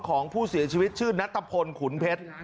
ของผู้เสียชีวิตชื่อนัตตะพลขุนเพชร